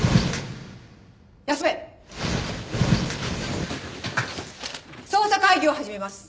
休め！捜査会議を始めます。